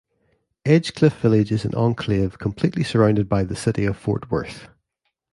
Edgecliff Village is an enclave, completely surrounded by the city of Fort Worth.